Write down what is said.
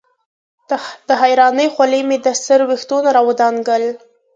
د حېرانۍ خولې مې د سر وېښتو نه راودنګل